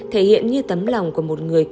thể hiện như tấm lòng của một người